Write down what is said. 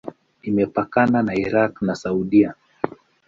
Imepakana na Irak na Saudia.